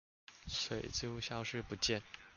水珠消失不見